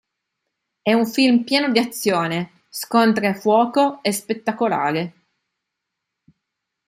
È un film pieno di azione, scontri a fuoco e spettacolare.